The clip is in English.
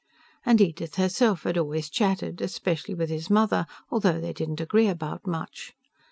And Edith herself had always chatted, especially with his mother, though they didn't agree about much.